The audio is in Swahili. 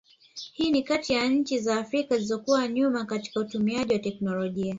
Hii ni kati ya nchi za Afrika zilizoko nyuma katika utumiaji wa teknolojia